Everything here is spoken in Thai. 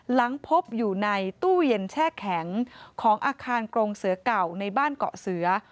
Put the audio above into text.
หลังพบอยู่ในตู้เย็นแช่แข็งของอาคารกรงเสือเก่าในบ้านเกาะเสือ